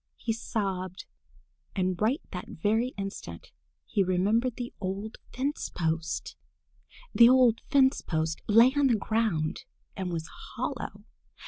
he sobbed. And right that very instant he remembered the old fence post! The old fence post lay on the ground and was hollow.